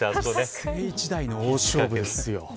一世一代の大勝負ですよ。